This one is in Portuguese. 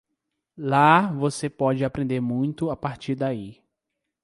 Lá você pode aprender muito a partir daí.